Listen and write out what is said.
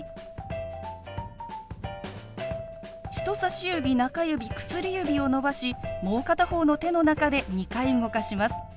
人さし指中指薬指を伸ばしもう片方の手の中で２回動かします。